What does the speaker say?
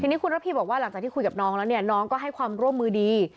ทีนี้คุณระพีบอกว่าหลังจากที่คุยกับน้องแล้วเนี่ยน้องก็ให้ความร่วมมือดี